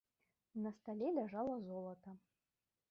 На стале ляжала золата.